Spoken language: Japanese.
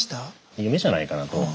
夢じゃないかなと。